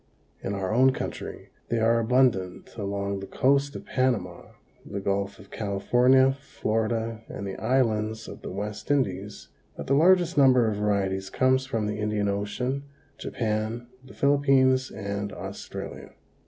In our own country they are abundant along the coast of Panama, the Gulf of California, Florida and the islands of the West Indies, but the largest number of varieties comes from the Indian Ocean, Japan, the Philippines and Australia.